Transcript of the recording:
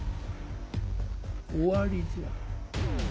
終わりじゃ。